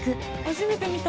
初めて見た。